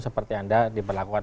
seperti anda diperlakukan